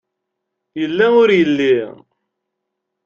Yella ur yelli.